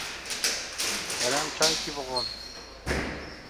Li Rihayê çar kesên ji Rojavayê Kurdistanê hatin girtin.